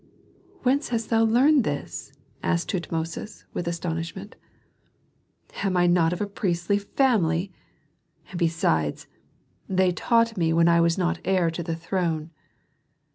"Whence hast thou learned this?" asked Tutmosis, with astonishment. "Am I not of a priestly family? And besides, they taught me when I was not heir to the throne.